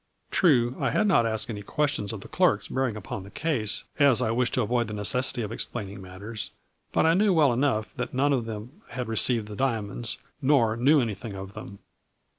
True, I had not asked any questions of the clerks bear ing upon the case, as I wished to avoid the necessity of explaining matters ; but I knew w^ enough that none of them had received the A FLURRY IN DIAMONDS. 139 diamonds, nor knew anything of them.